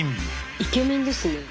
イケメンですね。